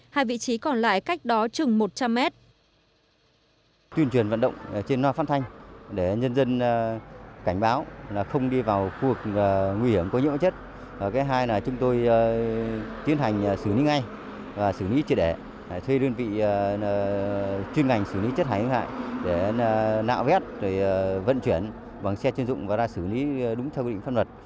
hai vị trí còn lại cách đó chừng một trăm linh m